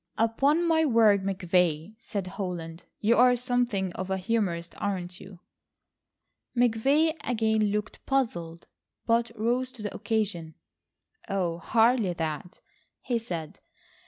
"Upon my word, McVay," said Holland, "you are something of a humorist, aren't you?" McVay again looked puzzled, but rose to the occasion. "Oh, hardly that," he said.